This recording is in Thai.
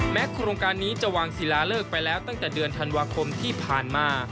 โครงการนี้จะวางศิลาเลิกไปแล้วตั้งแต่เดือนธันวาคมที่ผ่านมา